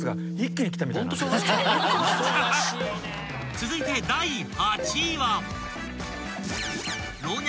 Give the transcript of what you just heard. ［続いて第８位は］